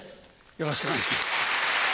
よろしくお願いします。